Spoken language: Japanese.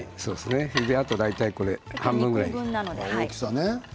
大体半分ぐらい。